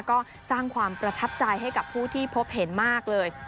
ก็สร้างความประทับใจให้กับผู้ที่พบเห็นมากเลย